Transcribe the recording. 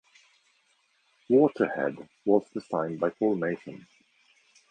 Water Head was designed by Paul Mason.